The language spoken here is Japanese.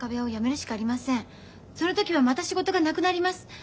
その時はまた仕事がなくなります。